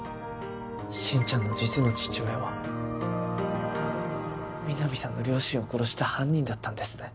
心ちゃんの実の父親は皆実さんの両親を殺した犯人だったんですね